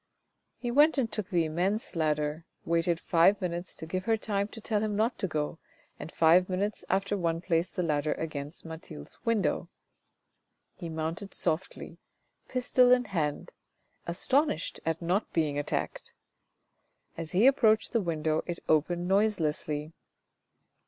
He went and took the immense ladder, waited five minutes to give her time to tell him not to go, and five minutes after one placed the ladder against Mathilde's window. He mounted softly, pistol in hand, astonished at not being attacked. As he approached the window it opened noiselessly.